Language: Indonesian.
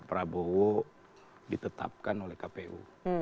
prabowo ditetapkan oleh kpu